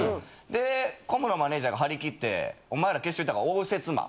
でコムのマネージャーが張り切って「お前ら決勝いったから」。